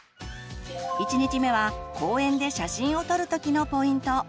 １日目は公園で写真を撮る時のポイント。